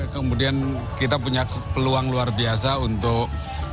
kemudian kita punya peluang luar biasa untuk